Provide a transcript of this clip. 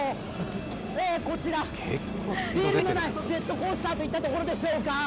こちらレールのないジェットコースターといったところでしょうか。